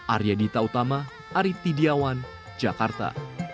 arya dita utama aritidiawan jakarta